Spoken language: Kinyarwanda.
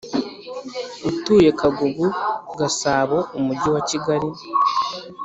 utuye Kagugu GasaboUmujyi wa Kigali